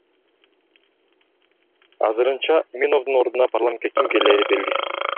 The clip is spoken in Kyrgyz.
Азырынча Иминовдун ордуна парламентке ким клээри белгисиз.